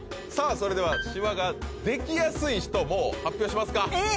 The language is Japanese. それではシワができやすい人もう発表しますかえっ